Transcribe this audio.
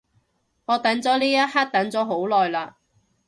我等咗呢一刻等咗好耐嘞